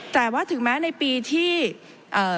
แต่ว่าถึงแม้ในปีที่เอ่อ